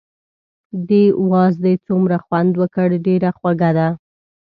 دې وازدې څومره خوند وکړ، ډېره خوږه ده.